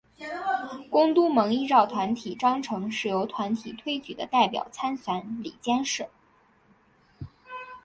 公督盟依照团体章程是由团体推举的代表参选理监事。